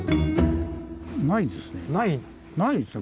ないですね